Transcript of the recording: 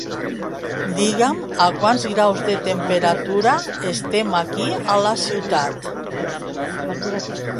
Digue'm a quants graus de temperatura estem aquí a la ciutat.